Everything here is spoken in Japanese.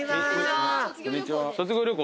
卒業旅行？